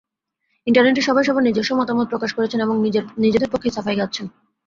ইন্টারনেটে সবাই সবার নিজস্ব মতামত প্রকাশ করছেন এবং নিজেদের পক্ষেই সাফাই গাচ্ছেন।